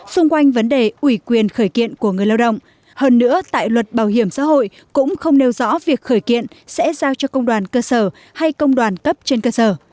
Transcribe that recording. xung quanh vấn đề ủy quyền khởi kiện của người lao động hơn nữa tại luật bảo hiểm xã hội cũng không nêu rõ việc khởi kiện sẽ giao cho công đoàn cơ sở hay công đoàn cấp trên cơ sở